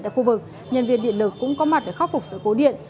tại khu vực nhân viên điện lực cũng có mặt để khắc phục sự cố điện